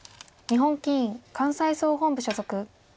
日本棋院関西総本部所属。